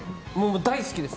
大好きです。